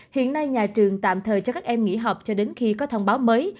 hiện nay nhà trường tạm thời cho các em nghỉ học cho đến khi có thông báo mới